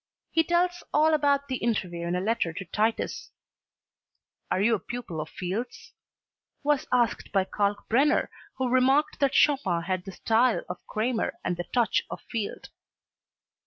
He tells all about the interview in a letter to Titus: "Are you a pupil of Field's?" was asked by Kalkbrenner, who remarked that Chopin had the style of Cramer and the touch of Field.